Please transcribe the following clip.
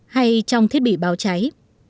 hay trong thiết bị báo cháy